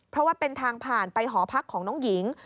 เพราะว่าเป็นทางผ่านไปหอพักของน้องหญิง